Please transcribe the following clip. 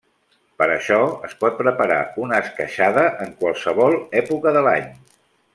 Per això es pot preparar una esqueixada en qualsevol època de l'any.